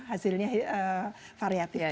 hasilnya variatif tadi itu